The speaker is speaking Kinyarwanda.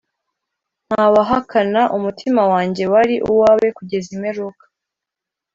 ntawahakana, umutima wanjye wari uwawe 'kugeza imperuka.